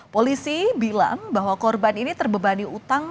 polisi bilang bahwa korban ini terbebani utang